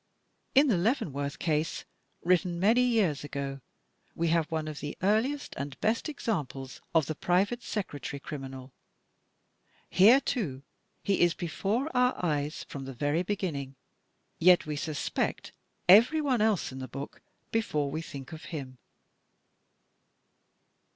In "The Leavenworth Case," written many years ago, we have one of the earliest and best examples of the private secretary criminal. Here, too, he is before our eyes from the very beginning, yet we suspect everyone else in the book before we think of him.